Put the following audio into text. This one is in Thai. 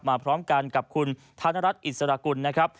พร้อมกันกับคุณธนรัฐอิสระกุลนะครับ